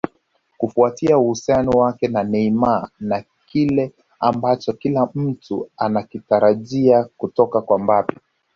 Kufuatia uhusiano wake na Neymar na kile ambacho kila mtu anakitarajia kutoka kwa Mbappe